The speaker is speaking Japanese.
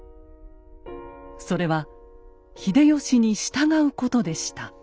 それは秀吉に従うことでした。